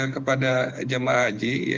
kepada jemaah haji